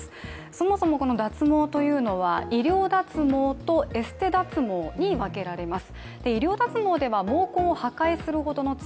そもそもこの脱毛というのは医療脱毛とエステ脱毛に分けられます。